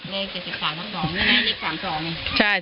เลข๗๒นี่นะเลข๓๒